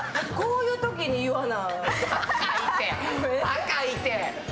こういうときに言わな。